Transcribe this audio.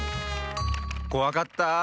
こわかったあ。